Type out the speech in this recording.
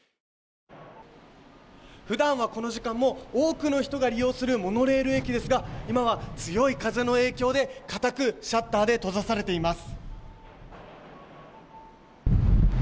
普段はこの時間も多くの人が利用するモノレール駅ですが今は強い風の影響で固くシャッターで閉ざされています。